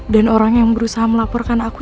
dan orang yang berusaha melaporkan aku